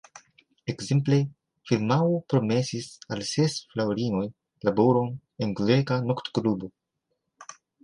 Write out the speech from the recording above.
Ekzemple, firmao promesis al ses fraŭlinoj laboron en greka nokto-klubo.